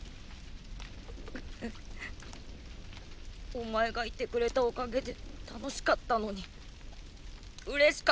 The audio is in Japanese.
お前がいてくれたおかげで楽しかったのに嬉しかったのに。